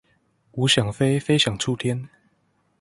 吾想飛非想觸天